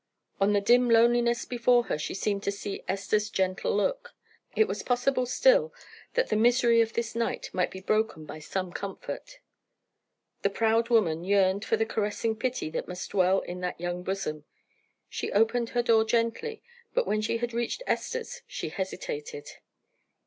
On the dim loneliness before her she seemed to see Esther's gentle look; it was possible still that the misery of this night might be broken by some comfort. The proud woman yearned for the caressing pity that must dwell in that young bosom. She opened her door gently, but when she had reached Esther's she hesitated.